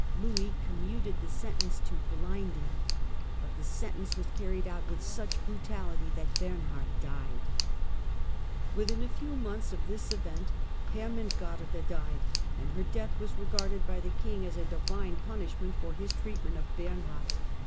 Louis commuted the sentence to blinding, but the sentence was carried out with such brutality that Bernhard died. Within a few months of this event Hermengarda died, and her death was regarded by the king as a Divine punishment for his treatment of Bernhard.